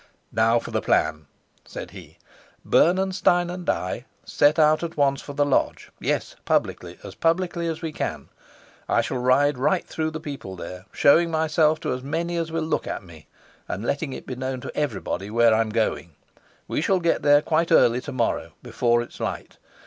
"Now for the plan," said he. "Bernenstein and I set out at once for the lodge yes, publicly, as publicly as we can. I shall ride right through the people there, showing myself to as many as will look at me, and letting it be known to everybody where I'm going. We shall get there quite early to morrow, before it's light.